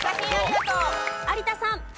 有田さん。